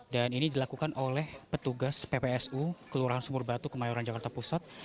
dan ini dilakukan oleh petugas ppsu kelurahan sumur batu kemayoran jakarta pusat